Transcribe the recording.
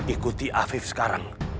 ikuti afif sekarang